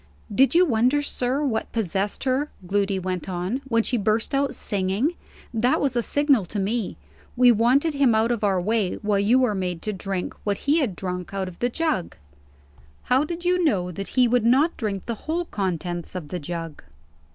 "Did you wonder, sir, what possessed her," Gloody went on, "when she burst out singing? That was a signal to me. We wanted him out of our way, while you were made to drink what he had drunk out of the jug." "How did you know that he would not drink the whole contents of the jug?"